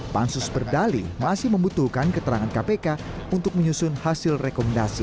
pansus berdali masih membutuhkan keterangan kpk untuk menyusun hasil rekomendasi